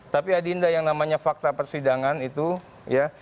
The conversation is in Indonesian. tapi adinda yang namanya fakta persidangan itu ya